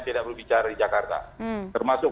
tidak berbicara di jakarta termasuk